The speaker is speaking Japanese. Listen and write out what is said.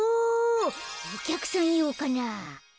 おきゃくさんようかな？